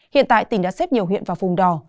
hiện tại tỉnh đã xếp nhiều huyện và vùng đỏ